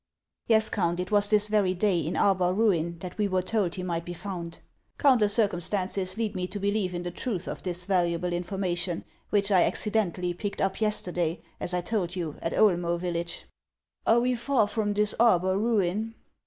" "\/'ES, Count; it was this very day, in Arbar ruin. •I that we were told he might be found. Count less circumstances lead me to believe in the truth of this valuable information which I accidentally picked up yes terday, as I told you, at Oelmoe village." " Are we far from this Arbar ruin